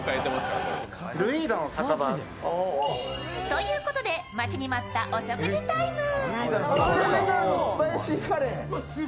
ということで、待ちに待ったお食事タイム。